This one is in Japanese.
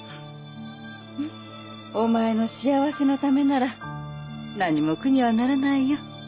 お前の幸せのためなら何も苦にはならないよ。